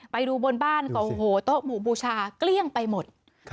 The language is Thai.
ไปดูบนบ้านก็โอ้โหโต๊ะหมู่บูชาเกลี้ยงไปหมด